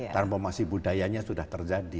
transformasi budayanya sudah terjadi